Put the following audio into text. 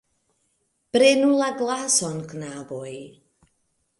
Prenu la glason, knaboj!